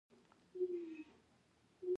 عسکر نور هم غوسه شو او بدې ردې یې وویلې